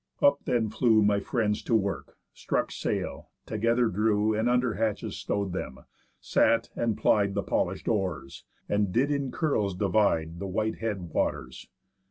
Up then flew My friends to work, struck sail, together drew, And under hatches stow'd them, sat, and plied The polish'd oars, and did in curls divide The white head waters.